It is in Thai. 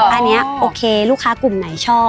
อันนี้โอเคลูกค้ากลุ่มไหนชอบ